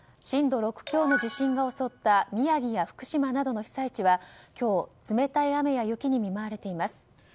震度６強の地震が襲った宮城や福島などの被災地は今日、冷たい雨や雪に見舞われています。